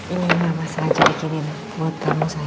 ini yang mama selanjutnya bikinin buat tamu saya